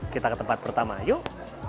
kita ke tempat pertama yuk